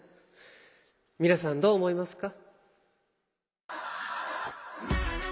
皆さんどう思いますか？